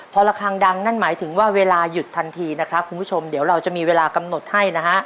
พอละครั้งดังนั่นหมายถึงว่าเวลาหยุดทันทีนะครับคุณผู้ชมเดี๋ยวเราจะมีเวลากำหนดให้นะฮะ